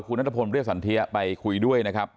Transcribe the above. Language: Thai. คุณนัทพลเรียกสันเทียไปคุยด้วยนะครับ